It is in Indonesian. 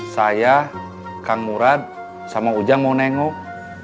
saya kang murad sama ujang mau nengok